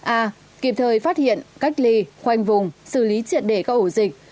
a kịp thời phát hiện cách ly khoanh vùng xử lý triệt để các ổ dịch